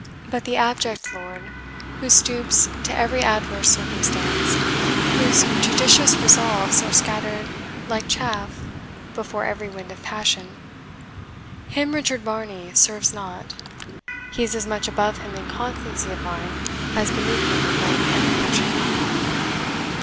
But the abject lord who stoops to every adverse circumstance, whose judicious resolves are scattered like chaff before every wind of passion, him Richard Varney serves not. He is as much above him in constancy of mind as beneath him in rank and fortune."